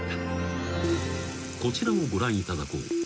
［こちらをご覧いただこう］